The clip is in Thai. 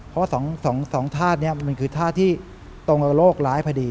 เพราะว่า๒ธาตุนี้มันคือธาตุที่ตรงกับโลกร้ายพอดี